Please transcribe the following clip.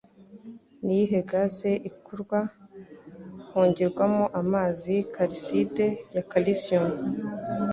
Niyihe gaze ikorwa hongerwamo amazi kariside ya calcium?